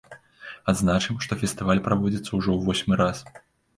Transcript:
Адзначым, што фестываль праводзіцца ўжо ў восьмы раз.